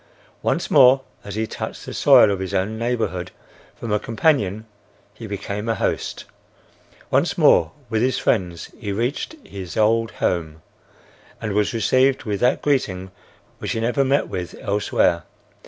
Once more, as he touched the soil of his own neighborhood, from a companion he became a host. Once more with his friends he reached his old home and was received with that greeting which he never met with elsewhere.